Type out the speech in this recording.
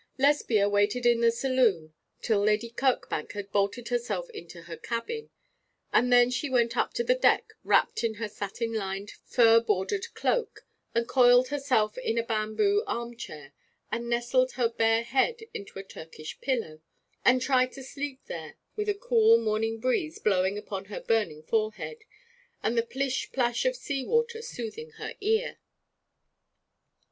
Lesbia waited in the saloon till Lady Kirkbank had bolted herself into her cabin, and then she went up to the deck wrapped in her satin lined, fur bordered cloak, and coiled herself in a bamboo arm chair, and nestled her bare head into a Turkish pillow, and tried to sleep, there with the cool morning breeze blowing upon her burning forehead, and the plish plash of seawater soothing her ear.